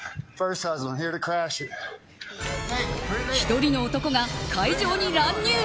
１人の男が会場に乱入。